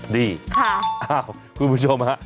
ดีค่ะอ้าวคุณผู้ชมฮะ